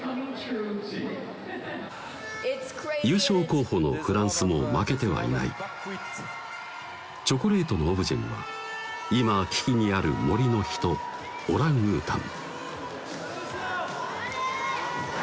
優勝候補のフランスも負けてはいないチョコレートのオブジェには今危機にある森の人・オランウータン